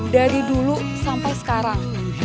dari dulu sampai sekarang